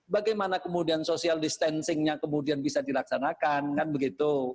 bagaimana kemudian social distancingnya kemudian bisa dilaksanakan kan begitu